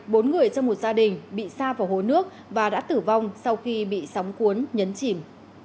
bốn người trong một gia đình bị xa vào hồ nước và đã tử vong sau khi bị sóng cuốn nhấn chìm